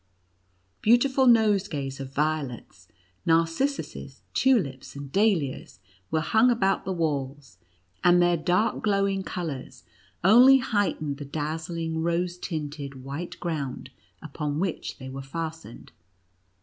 Beau tiful nosegays of violets, narcissuses, tulips, and dahlias, were hung about the walls, and their dark, glowing colors only heightened the dazzling, rose tinted, white ground upon which they were fastened.